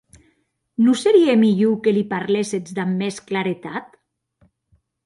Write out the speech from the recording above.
Non serie mielhor que li parléssetz damb mès claretat?